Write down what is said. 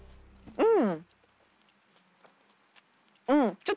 うん。